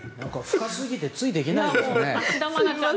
深すぎてついていけないですね。